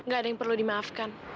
nggak ada yang perlu dimaafkan